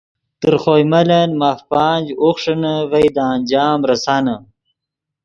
تر خوئے ملن ماف پانچ، اوخݰینے ڤئے دے انجام ریسانے